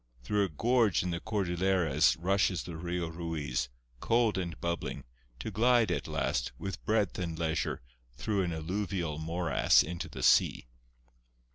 Through a gorge in the Cordilleras rushes the Rio Ruiz, cold and bubbling, to glide, at last, with breadth and leisure, through an alluvial morass into the sea.